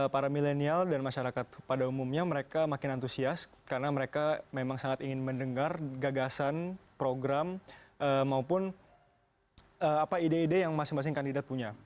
para milenial dan masyarakat pada umumnya mereka makin antusias karena mereka memang sangat ingin mendengar gagasan program maupun apa ide ide yang masing masing kandidat punya